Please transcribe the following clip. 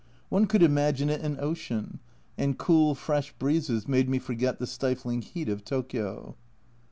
One could imagine it an ocean, and cool fresh breezes made me forget the stifling heat of Tokio.